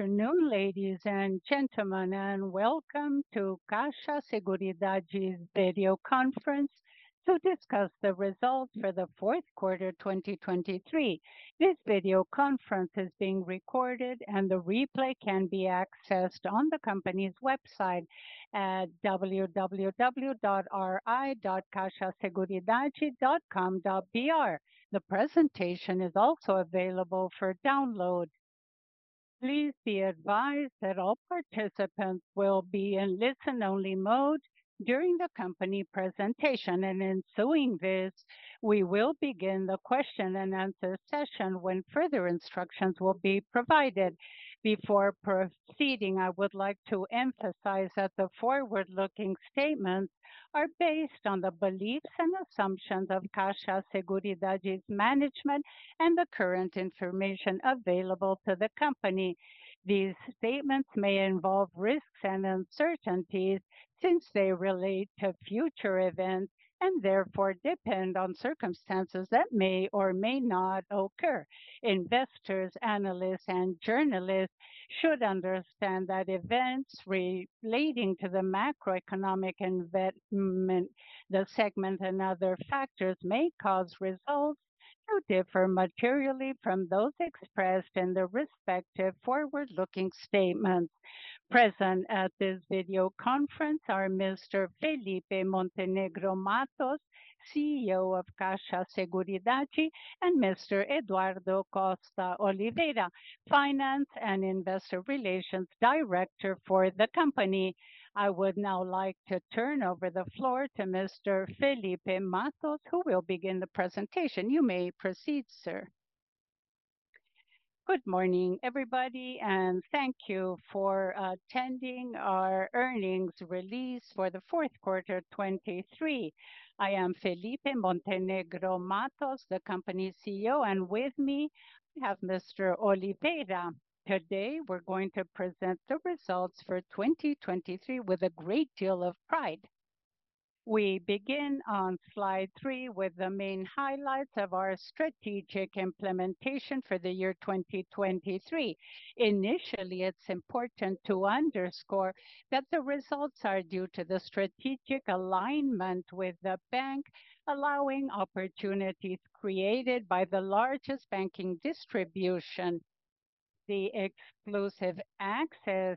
Good afternoon, ladies and gentlemen, and welcome to Caixa Seguridade's video conference to discuss the results for the Q4 2023. This video conference is being recorded, and the replay can be accessed on the company's website at www.ri.caixaseguridade.com.br. The presentation is also available for download. Please be advised that all participants will be in listen-only mode during the company presentation, and in doing this, we will begin the Q&A session when further instructions will be provided. Before proceeding, I would like to emphasize that the forward-looking statements are based on the beliefs and assumptions of Caixa Seguridade's management and the current information available to the company. These statements may involve risks and uncertainties since they relate to future events and therefore depend on circumstances that may or may not occur. Investors, analysts, and journalists should understand that events relating to the macroeconomic segment and other factors may cause results to differ materially from those expressed in the respective forward-looking statements. Present at this video conference are Mr. Felipe Montenegro Mattos, CEO of CAIXA Seguridade, and Mr. Eduardo Costa Oliveira, Finance and Investor Relations Director for the company. I would now like to turn over the floor to Mr. Felipe Mattos, who will begin the presentation. You may proceed, sir. Good morning, everybody, and thank you for attending our earnings release for the Q4 2023. I am Felipe Montenegro Mattos, the company's CEO, and with me I have Mr. Oliveira. Today we're going to present the results for 2023 with a great deal of pride. We begin on slide three with the main highlights of our strategic implementation for the year 2023. Initially, it's important to underscore that the results are due to the strategic alignment with the bank, allowing opportunities created by the largest banking distribution. The exclusive access,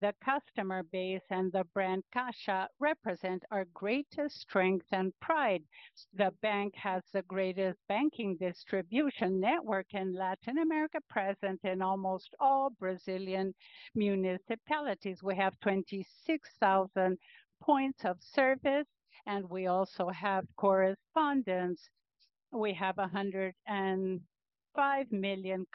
the customer base, and the brand CAIXA represent our greatest strength and pride. The bank has the greatest banking distribution network in Latin America, present in almost all Brazilian municipalities. We have 26,000 points of service, and we also have correspondence. We have 105 million clients, and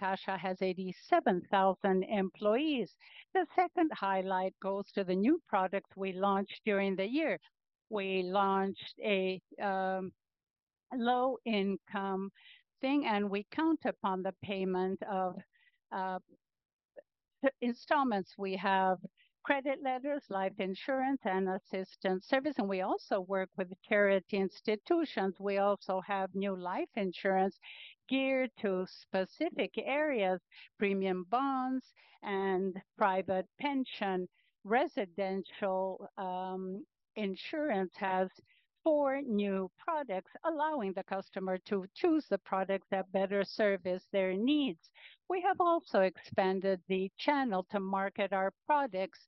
CAIXA has 87,000 employees. The second highlight goes to the new products we launched during the year. We launched a low-income thing, and we count upon the payment of installments. We have credit letters, life insurance, and assistance service, and we also work with charity institutions. We also have new life insurance geared to specific areas: premium bonds and private pension. Residential insurance has four new products, allowing the customer to choose the products that better serve their needs. We have also expanded the channel to market our products.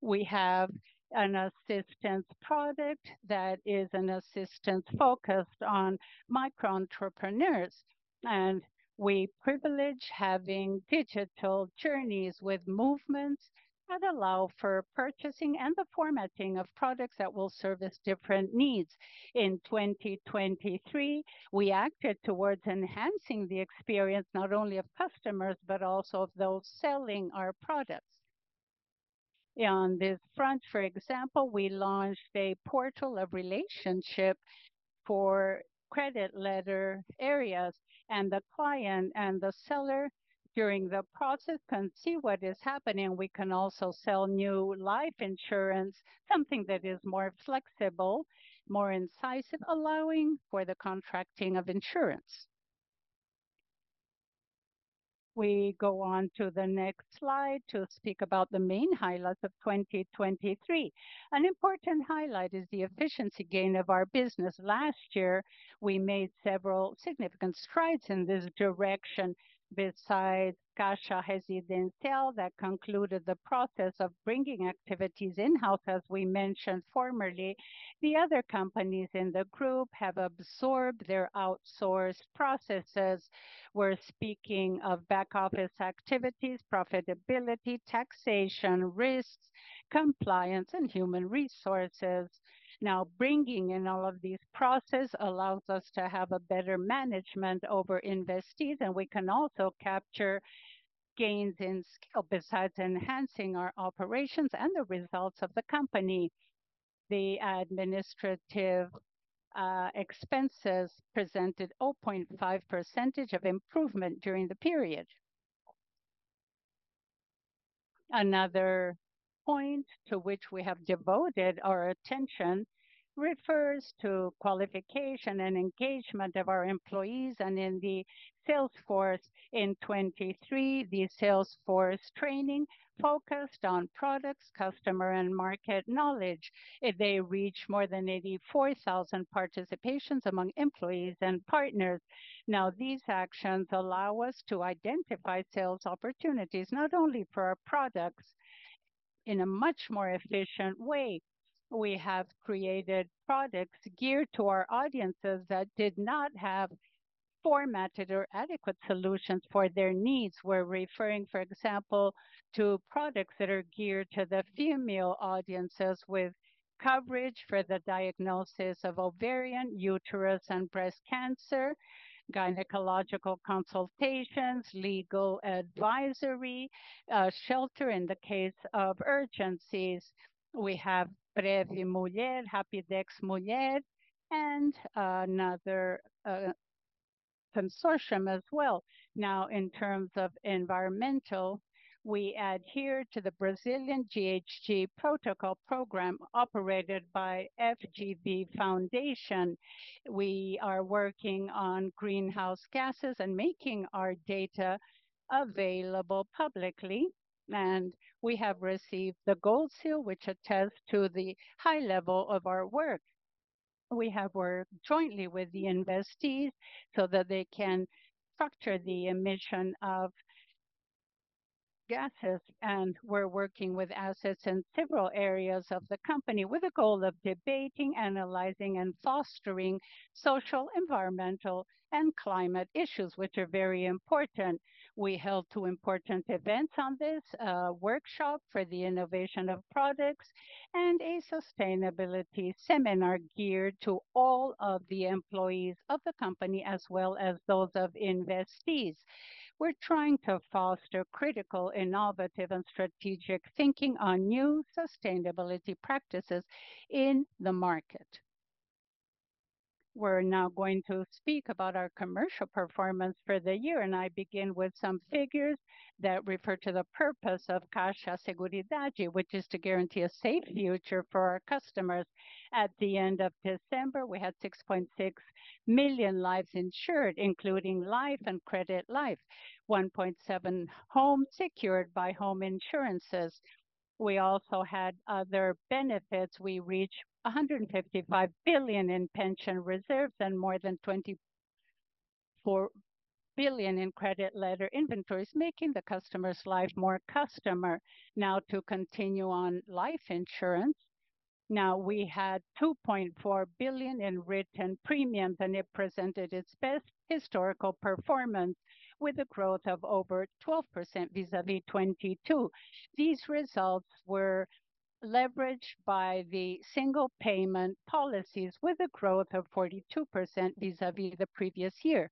We have an assistance product that is an assistance focused on microentrepreneurs, and we privilege having digital journeys with movements that allow for purchasing and the formatting of products that will serve different needs. In 2023, we acted towards enhancing the experience not only of customers but also of those selling our products. On this front, for example, we launched a portal of relationship for credit letter areas, and the client and the seller during the process can see what is happening. We can also sell new life insurance, something that is more flexible, more incisive, allowing for the contracting of insurance. We go on to the next slide to speak about the main highlights of 2023. An important highlight is the efficiency gain of our business. Last year, we made several significant strides in this direction. Besides Caixa Residencial, that concluded the process of bringing activities in-house, as we mentioned formerly, the other companies in the group have absorbed their outsourced processes. We're speaking of back-office activities, profitability, taxation, risks, compliance, and human resources. Now, bringing in all of these processes allows us to have a better management over investees, and we can also capture gains in scale. Besides enhancing our operations and the results of the company, the administrative expenses presented 0.5% of improvement during the period. Another point to which we have devoted our attention refers to qualification and engagement of our employees and in the sales force. In 2023, the sales force training focused on products, customer, and market knowledge. They reached more than 84,000 participations among employees and partners. Now, these actions allow us to identify sales opportunities not only for our products in a much more efficient way. We have created products geared to our audiences that did not have formatted or adequate solutions for their needs. We're referring, for example, to products that are geared to the female audiences with coverage for the diagnosis of ovarian, uterus, and breast cancer, gynecological consultations, legal advisory, shelter in the case of urgencies. We have Previ Mulher, Rapidex Mulher, and another consortium as well. Now, in terms of environmental, we adhere to the Brazilian GHG Protocol Program operated by FGV. We are working on greenhouse gases and making our data available publicly, and we have received the Gold Seal, which attests to the high level of our work. We have worked jointly with the investees so that they can structure the emission of gases, and we're working with assets in several areas of the company with the goal of debating, analyzing, and fostering social, environmental, and climate issues, which are very important. We held two important events on this workshop for the innovation of products and a sustainability seminar geared to all of the employees of the company as well as those of investees. We're trying to foster critical, innovative, and strategic thinking on new sustainability practices in the market. We're now going to speak about our commercial performance for the year, and I begin with some figures that refer to the purpose of CAIXA Seguridade, which is to guarantee a safe future for our customers. At the end of December, we had 6.6 million lives insured, including life and credit life, 1.7 homes secured by home insurances. We also had other benefits. We reached 155 billion in pension reserves and more than 24 billion in credit letter inventories, making the customer's life more customer. Now, to continue on life insurance, now we had 2.4 billion in written premiums, and it presented its best historical performance with a growth of over 12% vis-à-vis 2022. These results were leveraged by the single payment policies with a growth of 42% vis-à-vis the previous year.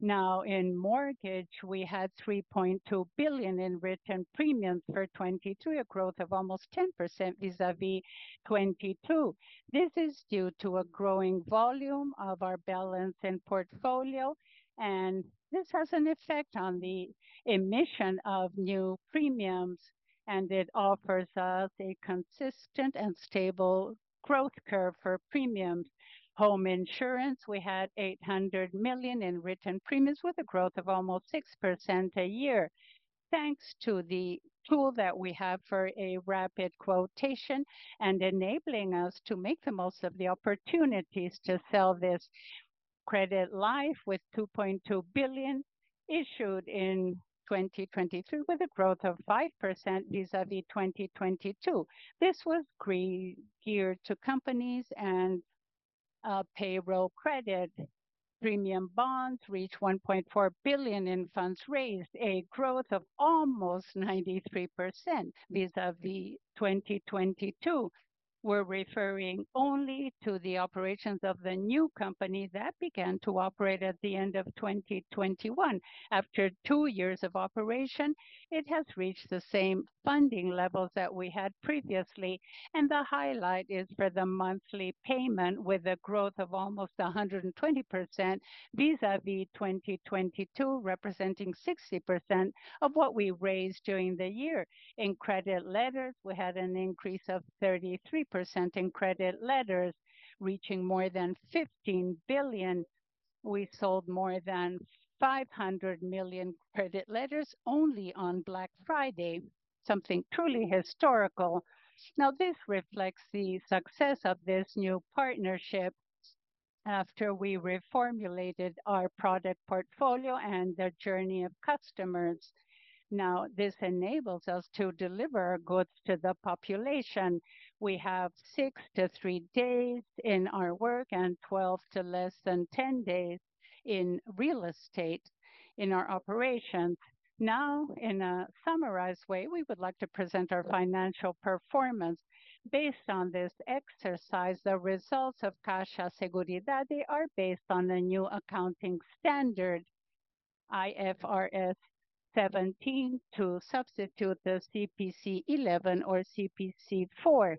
Now, in mortgage, we had 3.2 billion in written premiums for 2022, a growth of almost 10% vis-à-vis 2022. This is due to a growing volume of our balance and portfolio, and this has an effect on the emission of new premiums, and it offers us a consistent and stable growth curve for premiums. Home insurance, we had 800 million in written premiums with a growth of almost 6% a year, thanks to the tool that we have for rapid quotation and enabling us to make the most of the opportunities to sell this; credit life with 2.2 billion issued in 2023 with a growth of 5% vis-à-vis 2022. This was geared to companies and payroll credit. Premium bonds reached 1.4 billion in funds raised, a growth of almost 93% vis-à-vis 2022. We're referring only to the operations of the new company that began to operate at the end of 2021. After two years of operation, it has reached the same funding levels that we had previously, and the highlight is for the monthly payment with a growth of almost 120% vis-à-vis 2022, representing 60% of what we raised during the year. In credit letters, we had an increase of 33% in credit letters, reaching more than 15 billion. We sold more than 500 million credit letters only on Black Friday, something truly historical. Now, this reflects the success of this new partnership after we reformulated our product portfolio and the journey of customers. Now, this enables us to deliver goods to the population. We have 6-3 days in our work and 12 to less than 10 days in real estate in our operations. Now, in a summarized way, we would like to present our financial performance based on this exercise. The results of CAIXA Seguridade are based on the new accounting standard, IFRS 17, to substitute the CPC 11 or CPC 4.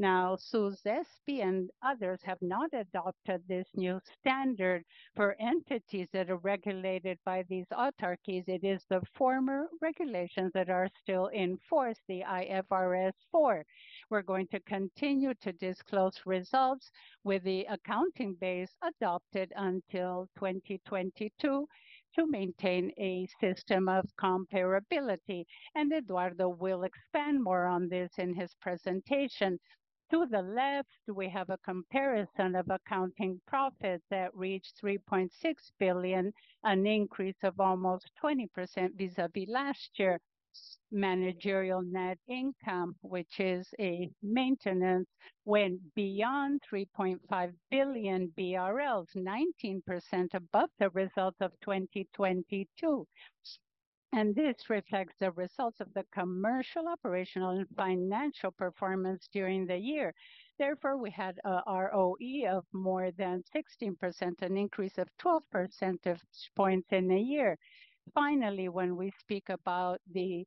Now, SUSEP and others have not adopted this new standard for entities that are regulated by these autarchies. It is the former regulations that are still in force, the IFRS 4. We're going to continue to disclose results with the accounting base adopted until 2022 to maintain a system of comparability, and Eduardo will expand more on this in his presentation. To the left, we have a comparison of accounting profits that reached 3.6 billion, an increase of almost 20% vis-à-vis last year. Managerial net income, which is a maintenance, went beyond 3.5 billion BRL, 19% above the results of 2022, and this reflects the results of the commercial, operational, and financial performance during the year. Therefore, we had an ROE of more than 16%, an increase of 12% of points in a year. Finally, when we speak about the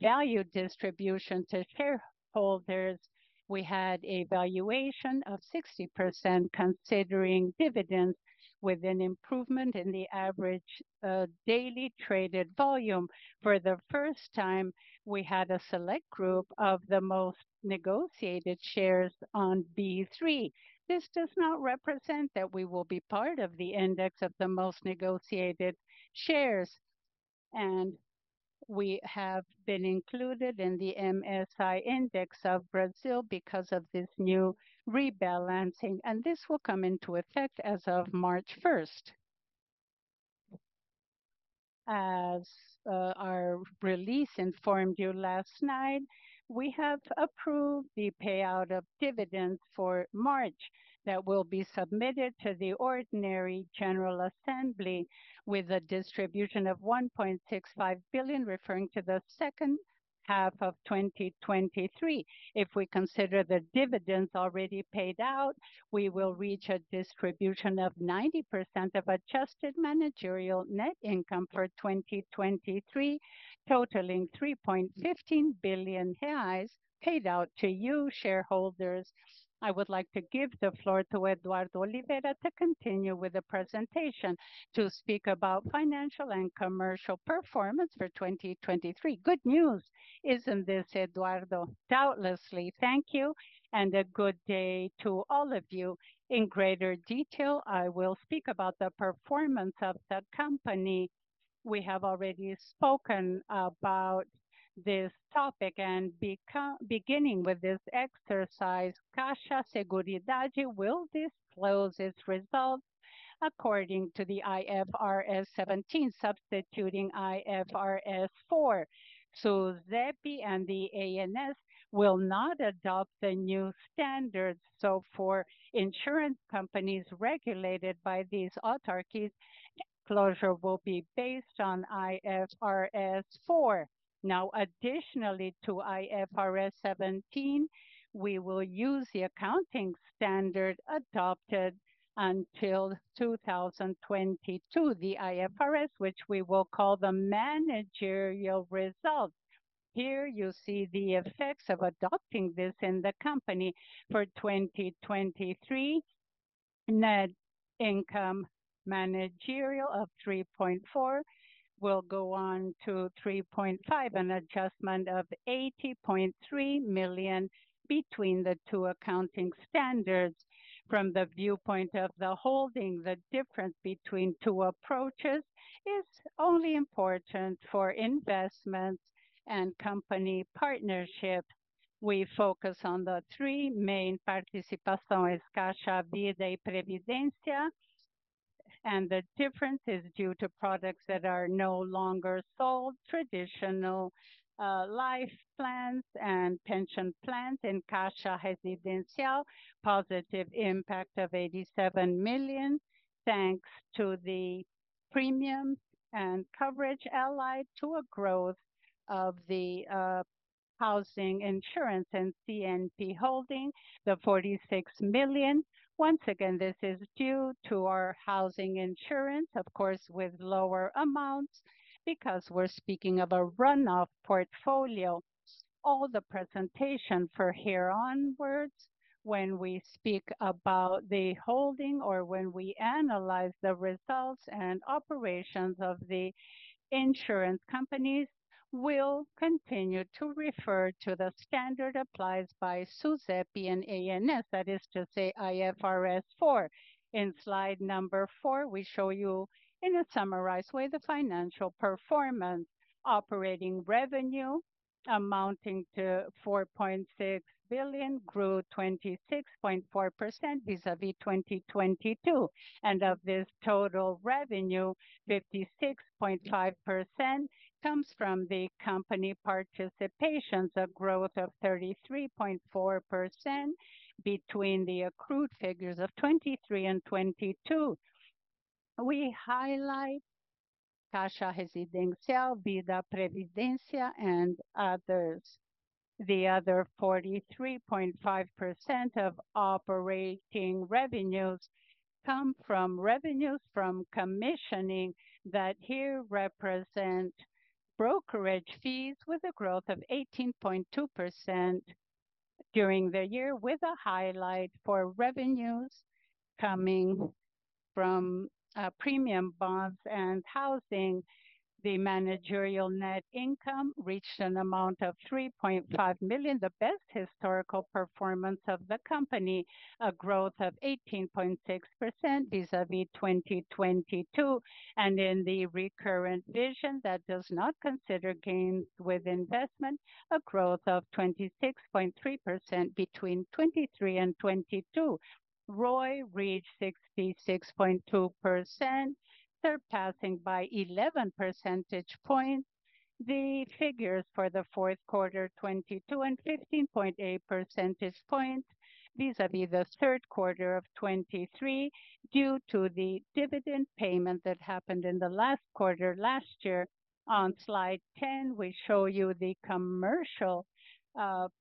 value distribution to shareholders, we had a valuation of 60% considering dividends with an improvement in the average daily traded volume. For the first time, we had a select group of the most negotiated shares on B3. This does not represent that we will be part of the index of the most negotiated shares, and we have been included in the MSCI index of Brazil because of this new rebalancing, and this will come into effect as of March 1. As our release informed you last night, we have approved the payout of dividends for March that will be submitted to the ordinary General Assembly with a distribution of 1.65 billion, referring to the second half of 2023. If we consider the dividends already paid out, we will reach a distribution of 90% of adjusted managerial net income for 2023, totaling 3.15 billion reais paid out to you shareholders. I would like to give the floor to Eduardo Oliveira to continue with the presentation to speak about financial and commercial performance for 2023. Good news, isn't this, Eduardo? Doubtlessly. Thank you, and a good day to all of you. In greater detail, I will speak about the performance of the company. We have already spoken about this topic, and beginning with this exercise, CAIXA Seguridade will disclose its results according to the IFRS 17, substituting IFRS 4. SUSEP and the ANS will not adopt the new standards, so for insurance companies regulated by these autarchies, closure will be based on IFRS 4. Now, additionally to IFRS 17, we will use the accounting standard adopted until 2022, the IFRS, which we will call the managerial results. Here you see the effects of adopting this in the company for 2023. Net income managerial of 3.4 billion will go on to 3.5 billion, an adjustment of 80.3 million between the two accounting standards. From the viewpoint of the holding, the difference between two approaches is only important for investments and company partnerships. We focus on the three main participações: Caixa Vida e Previdência, and the difference is due to products that are no longer sold. Traditional, life plans and pension plans in Caixa Residencial have a positive impact of 87 million, thanks to the premiums and coverage allied to a growth of the, housing insurance and CNP Holding, the 46 million. Once again, this is due to our housing insurance, of course, with lower amounts because we're speaking of a runoff portfolio. All the presentation from here onwards, when we speak about the holding or when we analyze the results and operations of the insurance companies, will continue to refer to the standard applied by SUSEP and ANS, that is to say IFRS 4. In slide number four, we show you in a summarized way the financial performance: operating revenue amounting to 4.6 billion grew 26.4% vis-à-vis 2022, and of this total revenue, 56.5% comes from the company participations, a growth of 33.4% between the accrued figures of 2023 and 2022. We highlight Caixa Residencial, Vida Previdência, and others. The other 43.5% of operating revenues come from revenues from commissioning that here represent brokerage fees, with a growth of 18.2% during the year, with a highlight for revenues coming from premium bonds and housing. The managerial net income reached an amount of 3.5 million, the best historical performance of the company, a growth of 18.6% vis-à-vis 2022, and in the recurrent vision that does not consider gains with investment, a growth of 26.3% between 2023 and 2022. ROI reached 66.2%, surpassing by 11 percentage points the figures for the Q4 2022 and 15.8 percentage points vis-à-vis the Q3 of 2023 due to the dividend payment that happened in the last quarter last year. On slide 10, we show you the commercial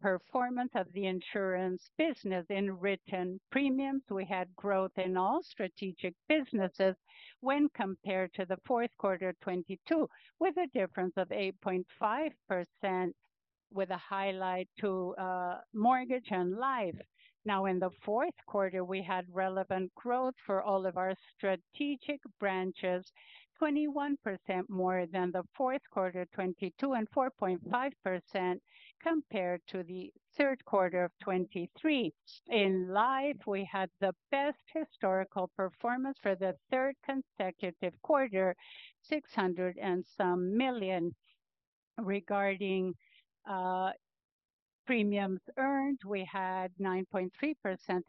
performance of the insurance business in written premiums. We had growth in all strategic businesses when compared to the Q4 2022, with a difference of 8.5%, with a highlight to mortgage and life. Now, in the Q4, we had relevant growth for all of our strategic branches, 21% more than the Q4 2022 and 4.5% compared to the Q3 of 2023. In life, we had the best historical performance for the third consecutive quarter, BRL 600+ million. Regarding premiums earned, we had 9.3%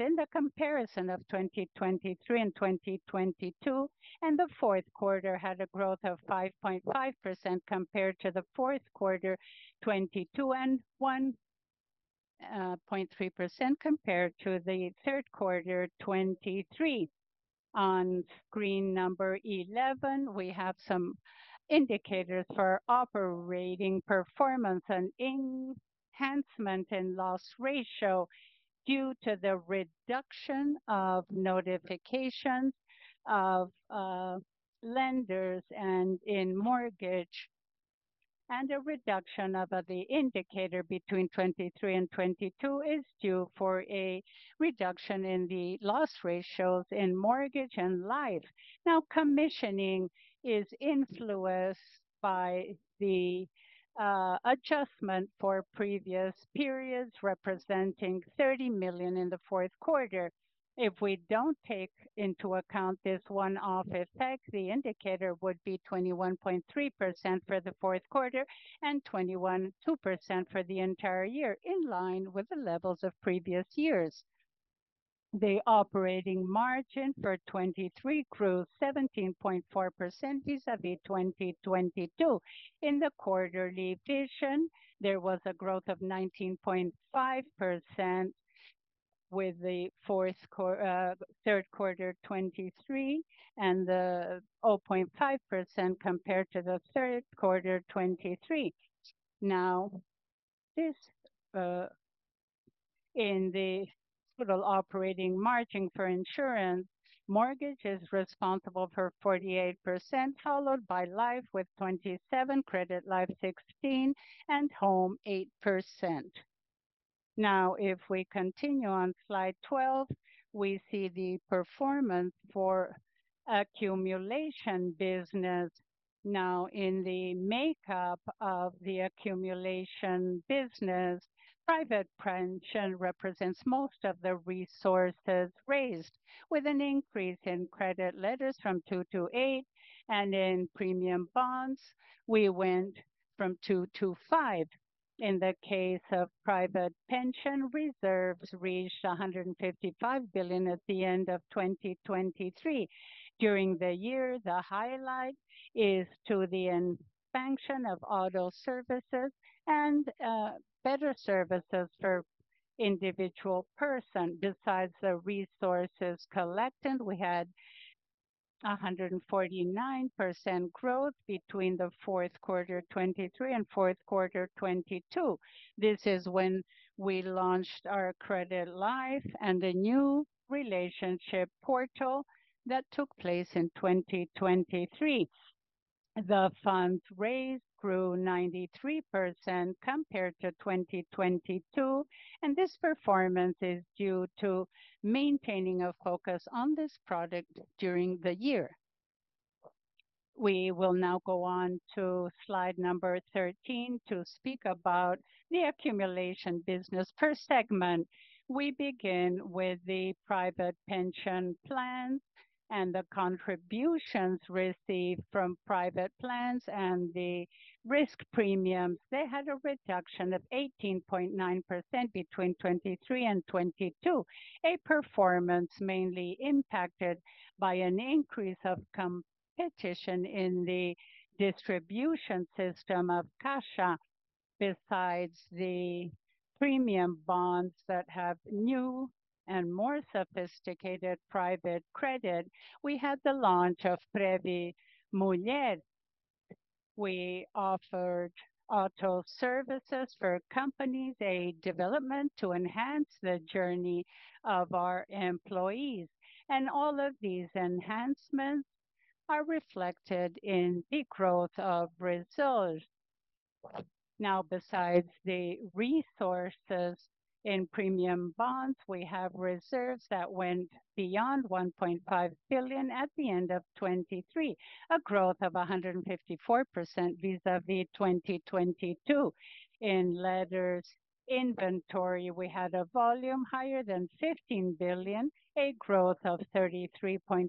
in the comparison of 2023 and 2022, and the Q4 had a growth of 5.5% compared to the Q4 2022 and 1.3% compared to the Q3 2023. On screen number 11, we have some indicators for operating performance and enhancement in loss ratio due to the reduction of notifications of lenders and in mortgage, and a reduction of the indicator between 2023 and 2022 is due for a reduction in the loss ratios in mortgage and life. Now, commissioning is influenced by the adjustment for previous periods, representing 30 million in the Q4. If we don't take into account this one-off effect, the indicator would be 21.3% for the Q4 and 21.2% for the entire year, in line with the levels of previous years. The operating margin for 2023 grew 17.4% vis-à-vis 2022. In the quarterly vision, there was a growth of 19.5% with the Q4, Q3 2023, and 0.5% compared to the Q3 2023. Now, this in the total operating margin for insurance, mortgage is responsible for 48%, followed by life with 27%, credit life 16%, and home 8%. Now, if we continue on slide 12, we see the performance for accumulation business. Now, in the makeup of the accumulation business, private pension represents most of the resources raised, with an increase in credit letters from 2 to 8, and in premium bonds, we went from 2 to 5. In the case of private pension reserves, reached 155 billion at the end of 2023. During the year, the highlight is to the expansion of auto services and better services for individual persons. Besides the resources collected, we had 149% growth between the Q4 2023 and Q4 2022. This is when we launched our credit life and the new relationship portal that took place in 2023. The funds raised grew 93% compared to 2022, and this performance is due to maintaining a focus on this product during the year. We will now go on to slide number 13 to speak about the accumulation business. First segment, we begin with the private pension plans and the contributions received from private plans and the risk premiums. They had a reduction of 18.9% between 2023 and 2022, a performance mainly impacted by an increase of competition in the distribution system of CAIXA. Besides the premium bonds that have new and more sophisticated private credit, we had the launch of Previ Mulher. We offered auto services for companies, a development to enhance the journey of our employees, and all of these enhancements are reflected in the growth of reserves. Now, besides the resources in premium bonds, we have reserves that went beyond 1.5 billion at the end of 2023, a growth of 154% vis-à-vis 2022. In letters inventory, we had a volume higher than 15 billion, a growth of 33.4%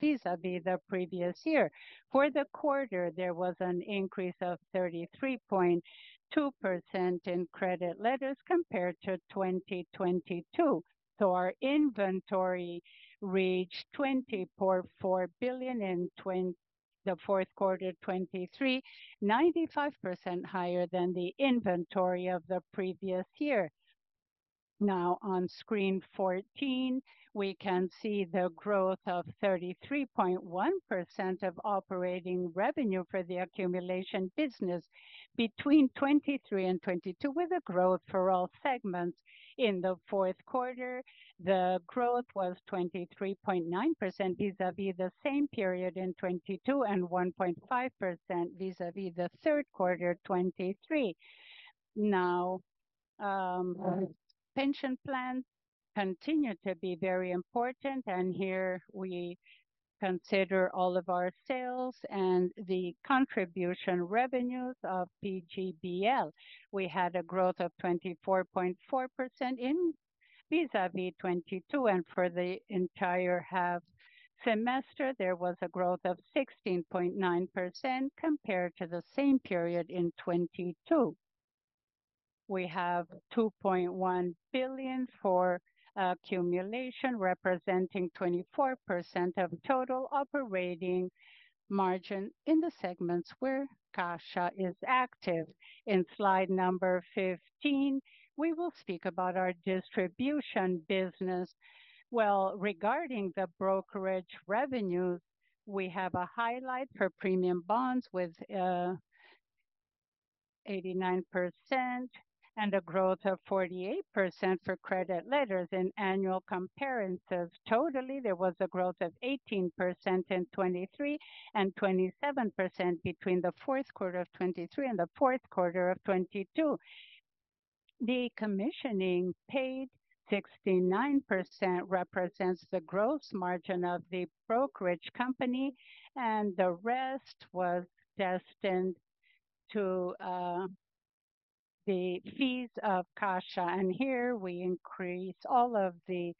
vis-à-vis the previous year. For the quarter, there was an increase of 33.2% in credit letters compared to 2022. So, our inventory reached 20.4 billion in the Q4 2023, 95% higher than the inventory of the previous year. Now, on screen 14, we can see the growth of 33.1% of operating revenue for the accumulation business between 2023 and 2022, with a growth for all segments. In the Q4, the growth was 23.9% vis-à-vis the same period in 2022 and 1.5% vis-à-vis the Q3 2023. Now, pension plans continue to be very important, and here we consider all of our sales and the contribution revenues of PGBL. We had a growth of 24.4% vis-à-vis 2022, and for the entire half semester, there was a growth of 16.9% compared to the same period in 2022. We have 2.1 billion for accumulation, representing 24% of total operating margin in the segments where CAIXA is active. In slide number 15, we will speak about our distribution business. Well, regarding the brokerage revenues, we have a highlight for premium bonds with 89% and a growth of 48% for credit letters in annual comparisons. Totally, there was a growth of 18% in 2023 and 27% between the Q4 of 2023 and the Q4 of 2022. The commissioning paid 69% represents the growth margin of the brokerage company, and the rest was destined to the fees of CAIXA. And here we increase all of the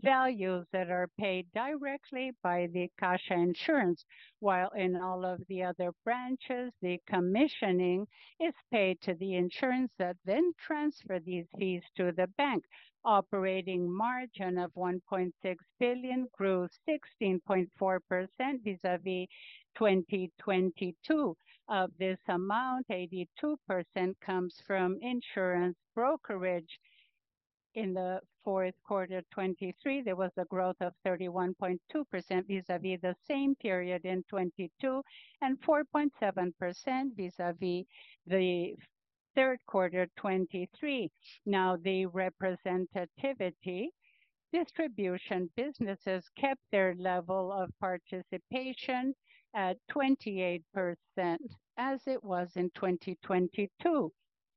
values that are paid directly by the CAIXA insurance, while in all of the other branches, the commissioning is paid to the insurance that then transfers these fees to the bank. Operating margin of 1.6 billion grew 16.4% vis-à-vis 2022. Of this amount, 82% comes from insurance brokerage. In the Q4 2023, there was a growth of 31.2% vis-à-vis the same period in 2022 and 4.7% vis-à-vis the Q3 2023. Now, the representativity distribution businesses kept their level of participation at 28% as it was in 2022.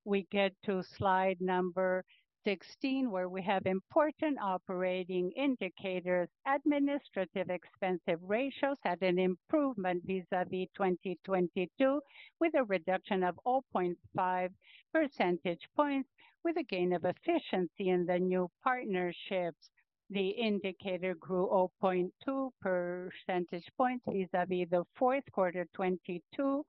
We get to slide number 16, where we have important operating indicators. Administrative expense ratios had an improvement vis-à-vis 2022, with a reduction of 0.5 percentage points, with a gain of efficiency in the new partnerships. The indicator grew 0.2 percentage points vis-à-vis the Q4 2022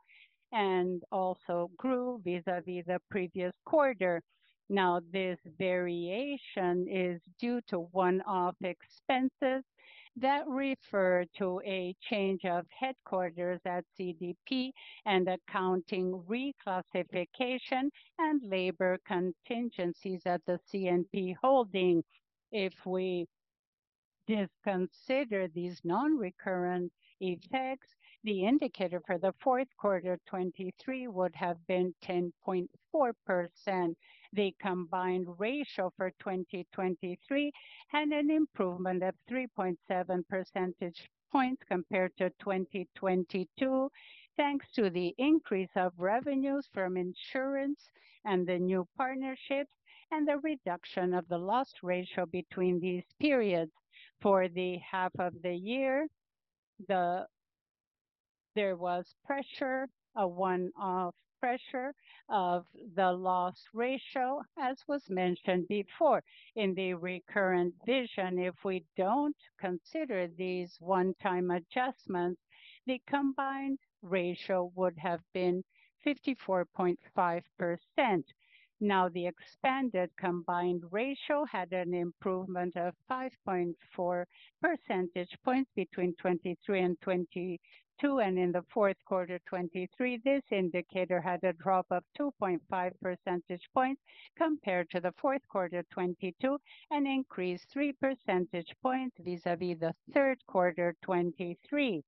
and also grew vis-à-vis the previous quarter. Now, this variation is due to one-off expenses that refer to a change of headquarters at CVP and accounting reclassification and labor contingencies at the CNP holding. If we disregard these non-recurrent effects, the indicator for the Q4 2023 would have been 10.4%, the Combined Ratio for 2023, and an improvement of 3.7 percentage points compared to 2022, thanks to the increase of revenues from insurance and the new partnerships and the reduction of the Loss Ratio between these periods. For the half of the year, there was pressure, a one-off pressure of the Loss Ratio, as was mentioned before. In the recurrent vision, if we don't consider these one-time adjustments, the Combined Ratio would have been 54.5%. Now, the expanded Combined Ratio had an improvement of 5.4 percentage points between 2023 and 2022, and in the Q4 2023, this indicator had a drop of 2.5 percentage points compared to the Q4 2022 and an increase of three percentage points vis-à-vis the Q3 2023.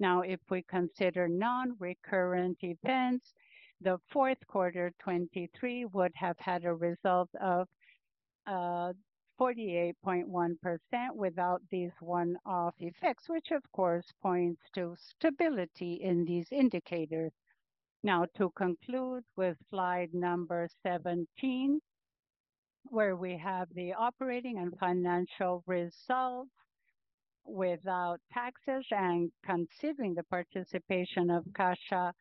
Now, if we consider non-recurrent events, the Q4 2023 would have had a result of 48.1% without these one-off effects, which of course points to stability in these indicators. Now, to conclude with slide number 17, where we have the operating and financial results without taxes and considering the participation of Caixa Seguridade.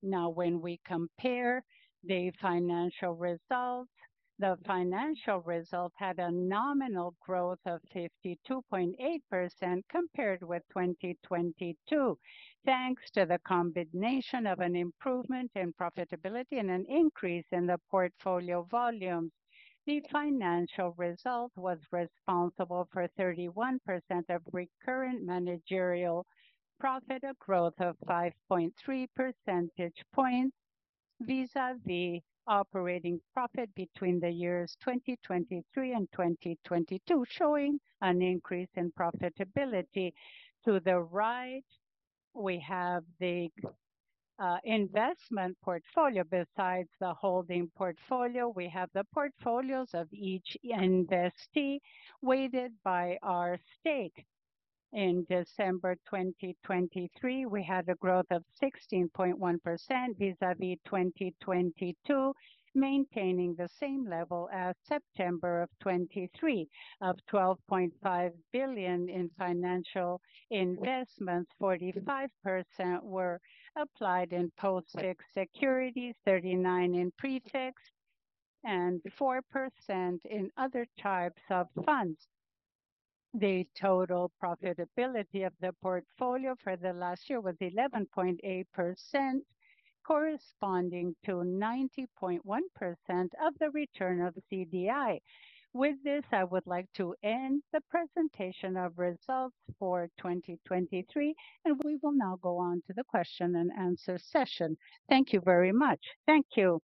Now, when we compare the financial results, the financial result had a nominal growth of 52.8% compared with 2022, thanks to the combination of an improvement in profitability and an increase in the portfolio volumes. The financial result was responsible for 31% of recurrent managerial profit, a growth of 5.3 percentage points vis-à-vis operating profit between the years 2023 and 2022, showing an increase in profitability. To the right, we have the investment portfolio. Besides the holding portfolio, we have the portfolios of each investee weighted by our stake. In December 2023, we had a growth of 16.1% vis-à-vis 2022, maintaining the same level as September of 2023 of 12.5 billion in financial investments. 45% were applied in post-tax securities, 39% in pre-tax, and 4% in other types of funds. The total profitability of the portfolio for the last year was 11.8%, corresponding to 90.1% of the return of CDI. With this, I would like to end the presentation of results for 2023, and we will now go on to the question and answer session. Thank you very much. Thank you.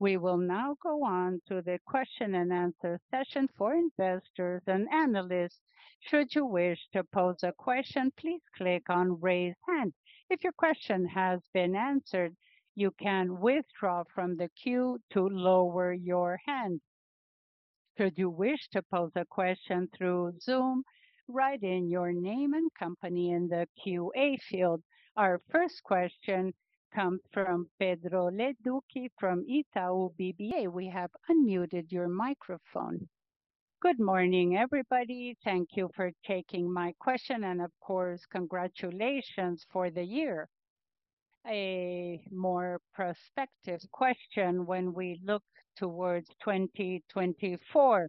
We will now go on to the question and answer session for investors and analysts. Should you wish to pose a question, please click on Raise Hand. If your question has been answered, you can withdraw from the queue to lower your hand. Should you wish to pose a question through Zoom, write in your name and company in the Q&A field. Our first question comes from Pedro Leduc from Itaú BBA. We have unmuted your microphone. Good morning, everybody. Thank you for taking my question, and of course, congratulations for the year. A more prospective question when we look towards 2024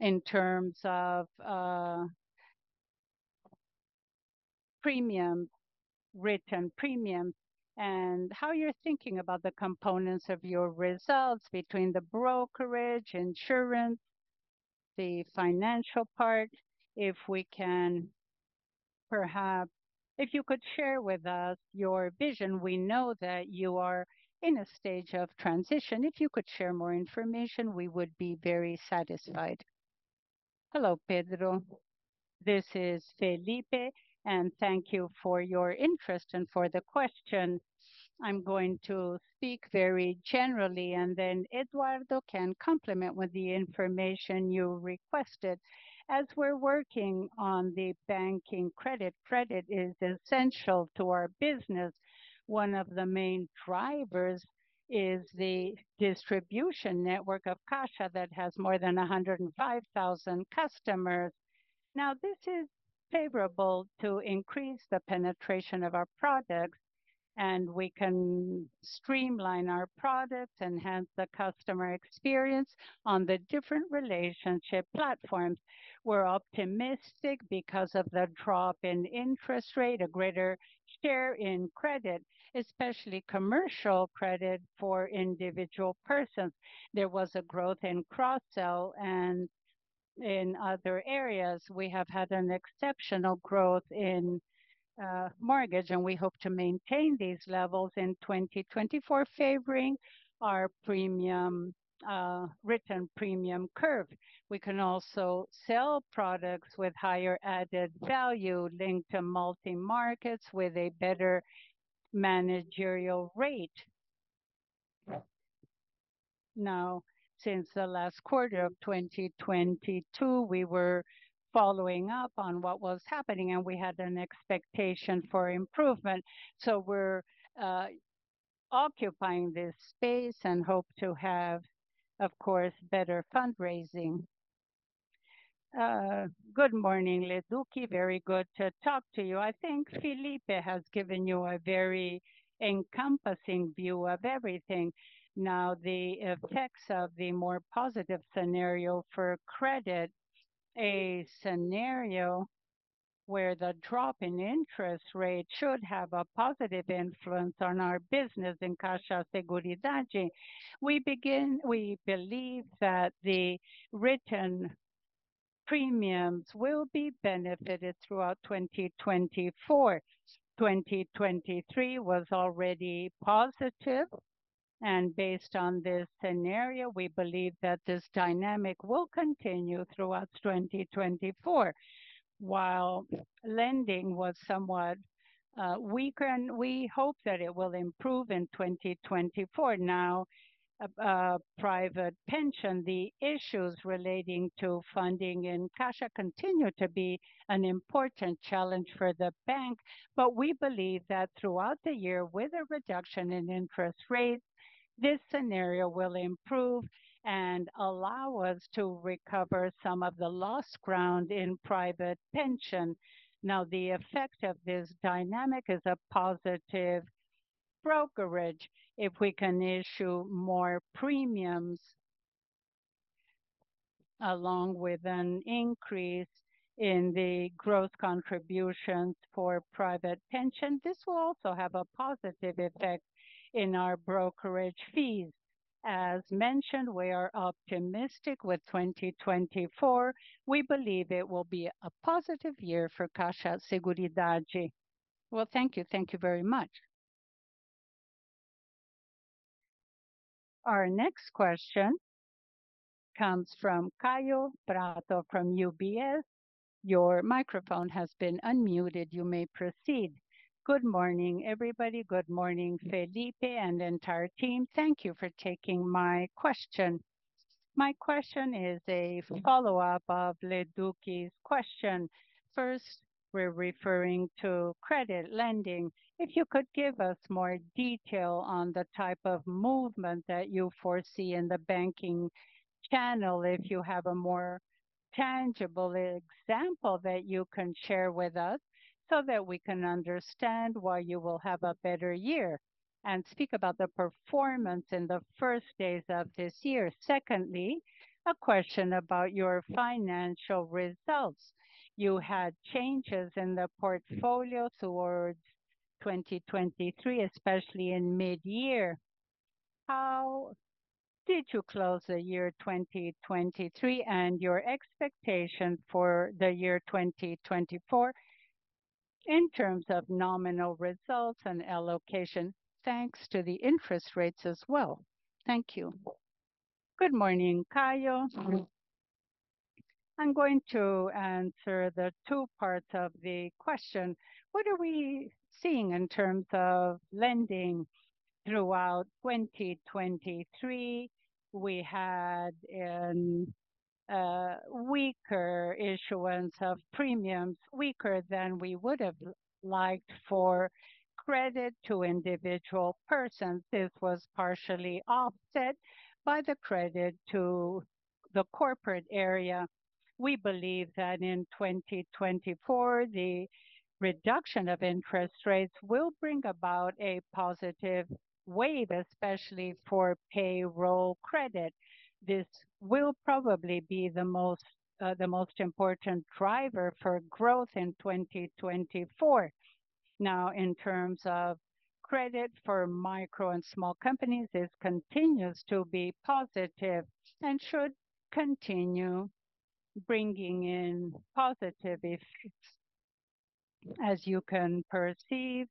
in terms of premium, written premium, and how you're thinking about the components of your results between the brokerage, insurance, the financial part. If we can perhaps, if you could share with us your vision. We know that you are in a stage of transition. If you could share more information, we would be very satisfied. Hello, Pedro. This is Felipe, and thank you for your interest and for the question. I'm going to speak very generally, and then Eduardo can complement with the information you requested. As we're working on the banking credit, credit is essential to our business. One of the main drivers is the distribution network of Caixa that has more than 105,000 customers. Now, this is favorable to increase the penetration of our products, and we can streamline our products, enhance the customer experience on the different relationship platforms. We're optimistic because of the drop in interest rate, a greater share in credit, especially commercial credit for individual persons. There was a growth in cross-sell and in other areas. We have had an exceptional growth in mortgage, and we hope to maintain these levels in 2024, favoring our premium written premium curve. We can also sell products with higher added value linked to multi-markets with a better managerial rate. Now, since the last quarter of 2022, we were following up on what was happening, and we had an expectation for improvement. So, we're occupying this space and hope to have, of course, better fundraising. Good morning, Leduc. Very good to talk to you. I think Felipe has given you a very encompassing view of everything. Now, the effects of the more positive scenario for credit, a scenario where the drop in interest rate should have a positive influence on our business in CAIXA Seguridade. We begin, we believe that the written premiums will be benefited throughout 2024. 2023 was already positive, and based on this scenario, we believe that this dynamic will continue throughout 2024. While lending was somewhat weaker, and we hope that it will improve in 2024. Now, private pension, the issues relating to funding in CAIXA continue to be an important challenge for the bank, but we believe that throughout the year, with a reduction in interest rates, this scenario will improve and allow us to recover some of the lost ground in private pension. Now, the effect of this dynamic is a positive brokerage if we can issue more premiums along with an increase in the growth contributions for private pension. This will also have a positive effect in our brokerage fees. As mentioned, we are optimistic with 2024. We believe it will be a positive year for CAIXA Seguridade. Well, thank you. Thank you very much. Our next question comes from Caio Prato from UBS. Your microphone has been unmuted. You may proceed. Good morning, everybody. Good morning, Felipe and entire team. Thank you for taking my question. My question is a follow-up of Leduc's question. First, we're referring to credit lending. If you could give us more detail on the type of movement that you foresee in the banking channel, if you have a more tangible example that you can share with us so that we can understand why you will have a better year and speak about the performance in the first days of this year. Secondly, a question about your financial results. You had changes in the portfolio towards 2023, especially in mid-year. How did you close the year 2023 and your expectations for the year 2024 in terms of nominal results and allocation, thanks to the interest rates as well? Thank you. Good morning, Caio. I'm going to answer the two parts of the question. What are we seeing in terms of lending throughout 2023? We had a weaker issuance of premiums, weaker than we would have liked for credit to individual persons. This was partially offset by the credit to the corporate area. We believe that in 2024, the reduction of interest rates will bring about a positive wave, especially for payroll credit. This will probably be the most, the most important driver for growth in 2024. Now, in terms of credit for micro and small companies, this continues to be positive and should continue bringing in positive effects. As you can perceive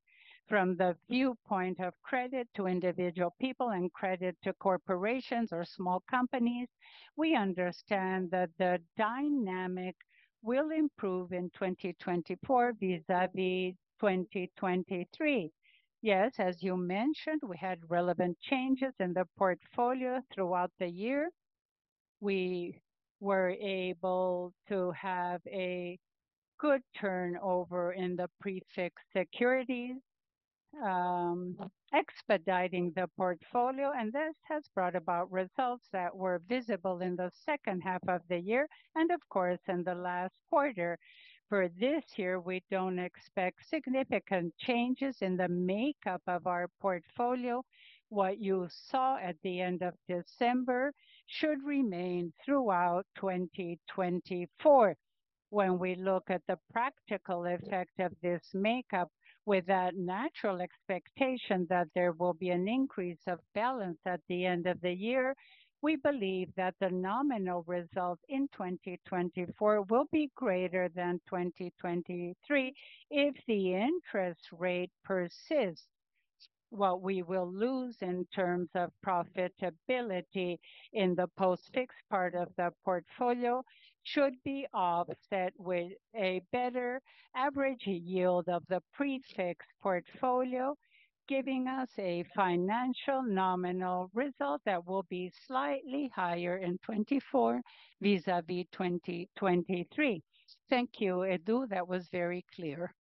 from the viewpoint of credit to individual people and credit to corporations or small companies, we understand that the dynamic will improve in 2024 vis-à-vis 2023. Yes, as you mentioned, we had relevant changes in the portfolio throughout the year. We were able to have a good turnover in the pre-tax securities, expediting the portfolio, and this has brought about results that were visible in the second half of the year and, of course, in the last quarter. For this year, we don't expect significant changes in the makeup of our portfolio. What you saw at the end of December should remain throughout 2024. When we look at the practical effect of this makeup, with that natural expectation that there will be an increase of balance at the end of the year, we believe that the nominal result in 2024 will be greater than 2023 if the interest rate persists. What we will lose in terms of profitability in the post-tax part of the portfolio should be offset with a better average yield of the pre-tax portfolio, giving us a financial nominal result that will be slightly higher in 2024 vis-à-vis 2023. Thank you, Edu. That was very clear.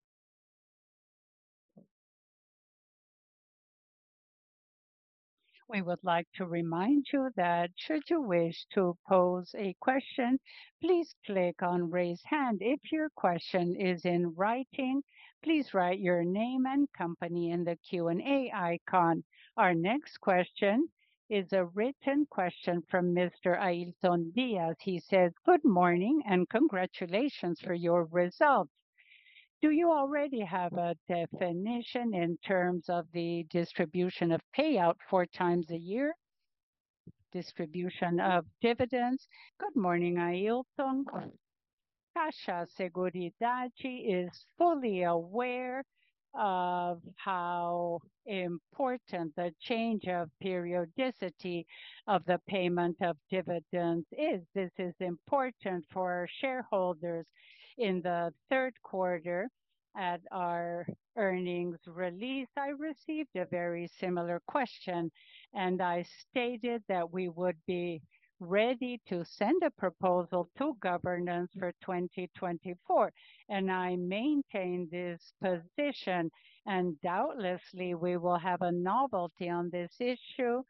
We would like to remind you that should you wish to pose a question, please click on Raise Hand. If your question is in writing, please write your name and company in the Q&A icon. Our next question is a written question from Mr. Ailton Díaz. He says, "Good morning and congratulations for your results. Do you already have a definition in terms of the distribution of payout four times a year? Distribution of dividends." Good morning, Ailton. CAIXA Seguridade is fully aware of how important the change of periodicity of the payment of dividends is. This is important for our shareholders. In the Q3, at our earnings release, I received a very similar question, and I stated that we would be ready to send a proposal to governance for 2024, and I maintained this position. And doubtlessly, we will have a novelty on this issue.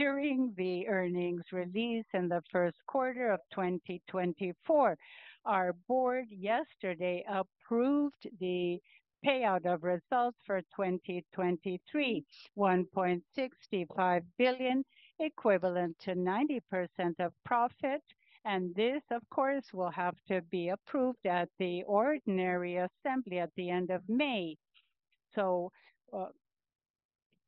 During the earnings release in the Q1 of 2024, our board yesterday approved the payout of results for 2023: 1.65 billion equivalent to 90% of profit. And this, of course, will have to be approved at the ordinary assembly at the end of May. So,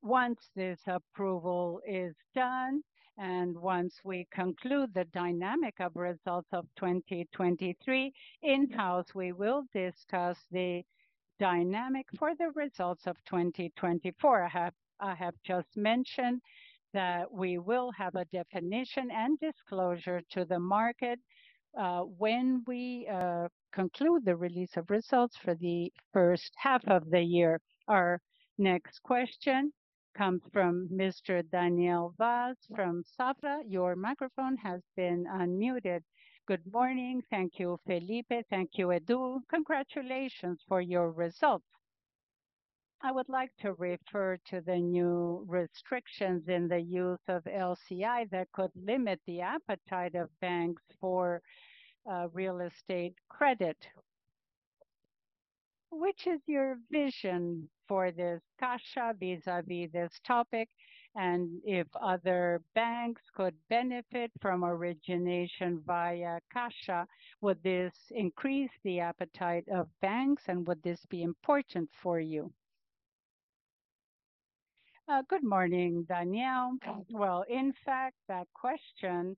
once this approval is done and once we conclude the dynamic of results of 2023 in-house, we will discuss the dynamic for the results of 2024. I have, I have just mentioned that we will have a definition and disclosure to the market, when we conclude the release of results for the first half of the year. Our next question comes from Mr. Daniel Vaz from Safra. Your microphone has been unmuted. Good morning. Thank you, Felipe. Thank you, Edu. Congratulations for your results. I would like to refer to the new restrictions in the use of LCI that could limit the appetite of banks for real estate credit. Which is your vision for this CAIXA vis-à-vis this topic? And if other banks could benefit from origination via CAIXA, would this increase the appetite of banks, and would this be important for you? Good morning, Daniel. Well, in fact, that question,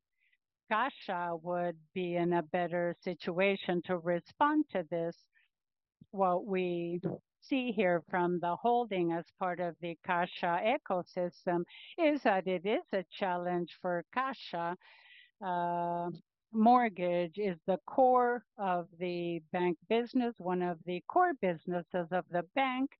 CAIXA would be in a better situation to respond to this. What we see here from the holding as part of the CAIXA ecosystem is that it is a challenge for CAIXA. Mortgage is the core of the bank business, one of the core businesses of the bank,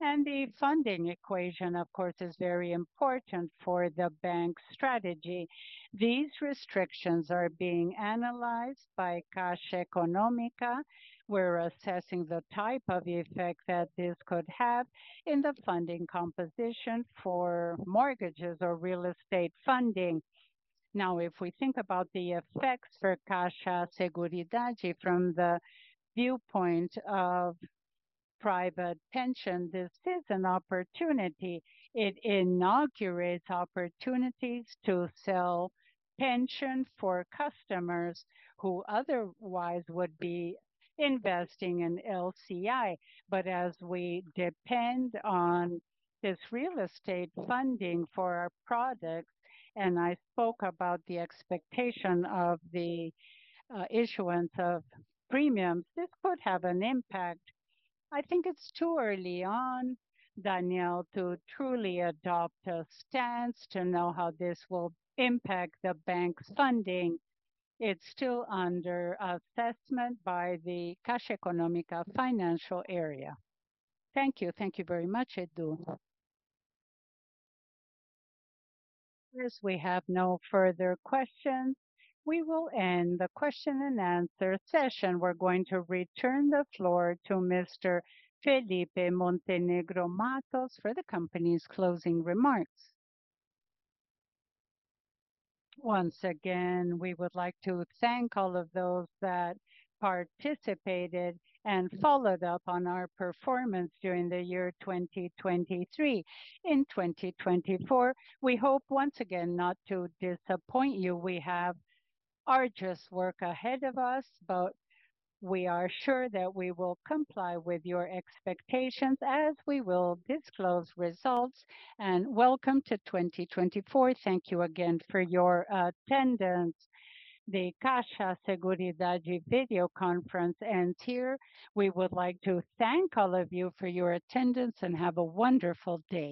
and the funding equation, of course, is very important for the bank's strategy. These restrictions are being analyzed by Caixa Econômica. We're assessing the type of effect that this could have in the funding composition for mortgages or real estate funding. Now, if we think about the effects for CAIXA Seguridade from the viewpoint of private pension, this is an opportunity. It inaugurates opportunities to sell pension for customers who otherwise would be investing in LCI. But as we depend on this real estate funding for our products, and I spoke about the expectation of the issuance of premiums, this could have an impact. I think it's too early on, Daniel, to truly adopt a stance, to know how this will impact the bank's funding. It's still under assessment by the Caixa Econômica financial area. Thank you. Thank you very much, Edu. As we have no further questions, we will end the question and answer session. We're going to return the floor to Mr. Felipe Montenegro Mattos for the company's closing remarks. Once again, we would like to thank all of those that participated and followed up on our performance during the year 2023. In 2024, we hope once again not to disappoint you. We have arduous work ahead of us, but we are sure that we will comply with your expectations as we will disclose results. And welcome to 2024. Thank you again for your attendance. The Caixa Seguridade video conference ends here. We would like to thank all of you for your attendance and have a wonderful day.